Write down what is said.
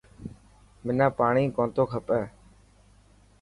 منا پاڻي ڪونٿو کپي.